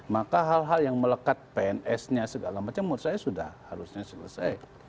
maka hal hal yang melekat pns nya segala macam menurut saya sudah harusnya selesai